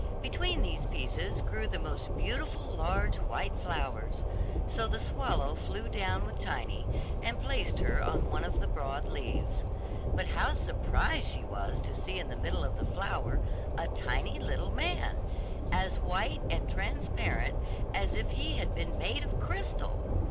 Between these pieces grew the most beautiful large white flowers; so the swallow flew down with Tiny, and placed her on one of the broad leaves. But how surprised she was to see in the middle of the flower, a tiny little man, as white and transparent as if he had been made of crystal!